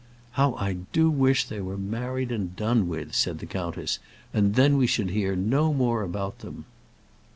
"How I do wish they were married and done with," said the countess; "and then we should hear no more about them."